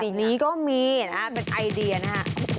แบบนี้ก็มีนะเป็นไอเดียนะ